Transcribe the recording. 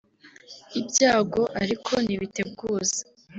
Ibyago ariko ntibiteguza